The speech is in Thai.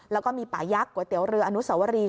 แล้วก็มีป่ายักษ์ก๋วยเตี๋ยวเรืออนุสวรี